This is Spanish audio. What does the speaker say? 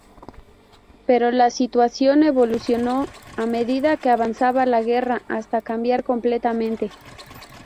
Pero la situación evolucionó a medida que avanzaba la guerra, hasta cambiar completamente.